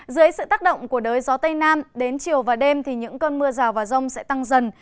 dưới sự tác động của đới gió tây nam đến chiều và đêm thì những cơn mưa rào và rông sẽ tăng dần